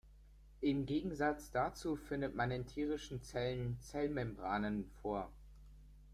Im Gegensatz dazu findet man in tierischen Zellen Zellmembranen vor.